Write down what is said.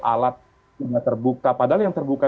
alat yang terbuka padahal yang terbuka